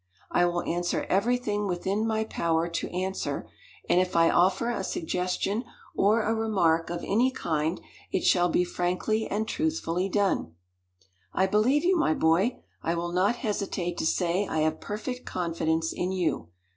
I will answer everything within my power to answer; and if I offer a suggestion or a remark of any kind it shall be frankly and truthfully done." "I believe you, my boy. I will not hesitate to say I have perfect confidence in you."